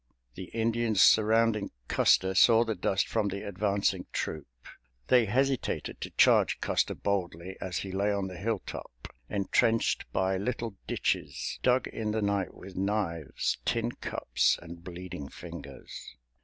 The Indians surrounding Custer saw the dust from the advancing troop. They hesitated to charge Custer boldly as he lay on the hilltop, entrenched by little ditches dug in the night with knives, tin cups and bleeding fingers.